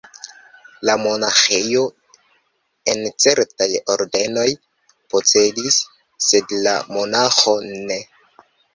La monaĥejo, en certaj ordenoj, posedis, sed la monaĥo ne.